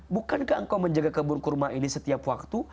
bukankah engkau menjaga kebun kurma ini setiap waktu